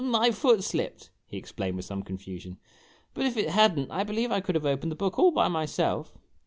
"My foot slipped," he explained with some confusion; "but if it had n't, I believe I could have opened the book all by myself!